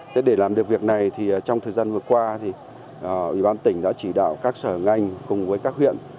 thế để làm được việc này thì trong thời gian vừa qua thì ủy ban tỉnh đã chỉ đạo các sở ngành cùng với các huyện